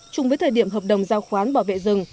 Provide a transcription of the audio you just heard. chung với thời điểm hợp đồng giao khoán bảo vệ rừng